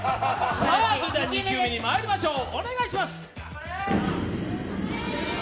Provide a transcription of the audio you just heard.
さあそれでは２球目にまいりましょう。